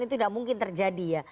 itu tidak mungkin terjadi ya